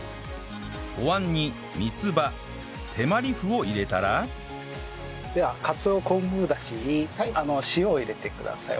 お椀に三つ葉手まり麩を入れたらではかつお昆布だしに塩を入れてください。